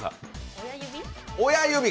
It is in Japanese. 親指